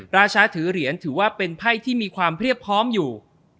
ราชาถือเหรียญถือว่าเป็นไพ่ที่มีความเรียบพร้อมอยู่